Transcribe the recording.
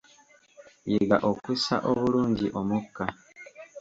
Yiga okussa obulungi omukka.